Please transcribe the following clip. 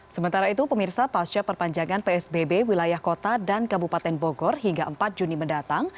sementara itu pemirsa pasca perpanjangan psbb wilayah kota dan kabupaten bogor hingga empat juni mendatang